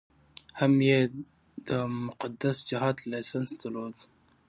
هم یې د مقدس جهاد لایسنس درلود.